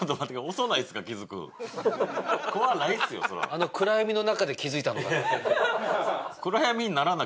あの暗闇の中で気付いたのかな？